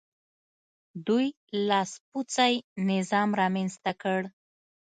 دوی لاسپوڅی نظام رامنځته کړ.